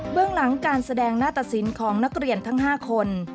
เรื่องหลังการแสดงหน้าตสินของนักเรียนทั้ง๕คน